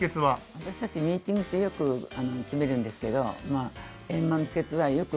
私たちミーティングしてよく決めるんです。